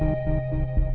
komar itu penjahat